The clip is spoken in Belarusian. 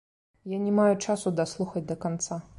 Я не маю часу даслухаць да канца.